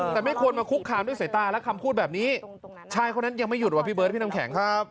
แต่ไม่ควรมาคุกคามด้วยสายตาและคำพูดแบบนี้ชายคนนั้นยังไม่หยุดว่ะพี่เบิร์ดพี่น้ำแข็งครับ